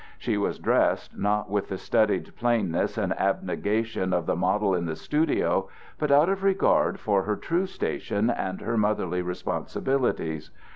She was dressed not with the studied plainness and abnegation of the model in the studio, but out of regard for her true station and her motherly responsibilities.